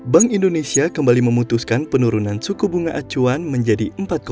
bank indonesia kembali memutuskan penurunan suku bunga acuan menjadi empat